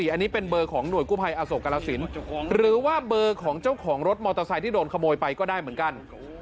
อันนี้เป็นเบอร์ของหน่วยกู้ภัยอโศกรสินหรือว่าเบอร์ของเจ้าของรถมอเตอร์ไซค์ที่โดนขโมยไปก็ได้เหมือนกัน